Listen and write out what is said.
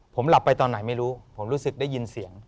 ผมหลับไปตอนไหนไม่รู้ผมรู้สึกได้ยินเสียง